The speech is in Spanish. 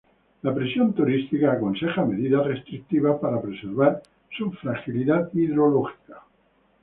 La presión turística aconseja medidas restrictivas para preservar su fragilidad hidrológica.